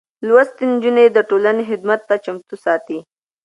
لوستې نجونې د ټولنې خدمت ته چمتو ساتي.